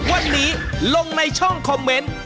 วันนี้ลงในช่องคอมเมนต์